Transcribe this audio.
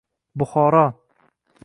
Buxoro